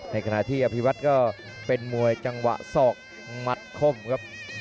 ขณะที่อภิวัตก็เป็นมวยจังหวะศอกหมัดคมครับ